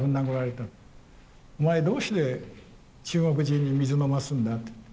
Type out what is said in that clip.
お前どうして中国人に水飲ますんだと。